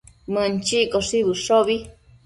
Mënchiccoshi bëshobi